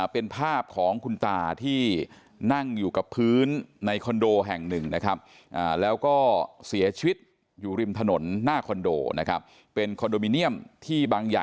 เป็นภาพของคุณตาที่นั่งอยู่กับพื้นในคอนโดแห่งหนึ่งนะครับ